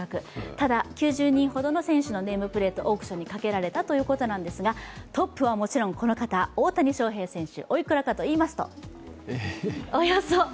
ただ、９０人ほどの選手のネームプレート、オークションにかけられたということなんですがトップはもちろん、この方大谷翔平選手。